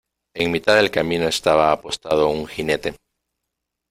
en mitad del camino estaba apostado un jinete :